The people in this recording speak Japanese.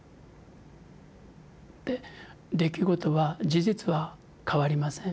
出来事は事実は変わりません。